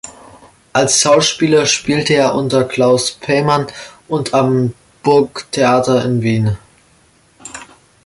Als Schauspieler spielte er unter Claus Peymann und am Burgtheater in Wien.